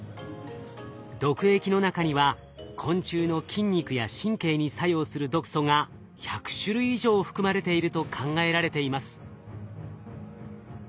毒液の中には昆虫の筋肉や神経に作用する毒素が１００種類以上含まれていると考えられています。